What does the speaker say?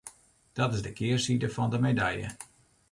Dat is de kearside fan de medalje.